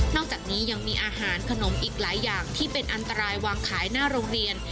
อกจากนี้ยังมีอาหารขนมอีกหลายอย่างที่เป็นอันตรายวางขายหน้าโรงเรียน